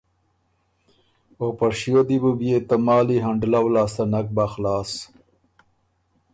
او په شیو دی بو بيې ته مالی هنډلؤ لاسته نک بَۀ خلاص۔